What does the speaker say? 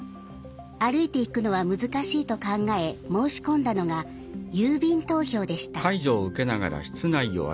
歩いて行くのは難しいと考え申し込んだのが郵便投票でした。